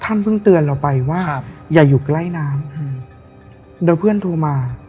ท่านเพิ่งเตือนเราไปว่าครับอย่าอยู่ใกล้น้ำอืมเดี๋ยวเพื่อนโทรมา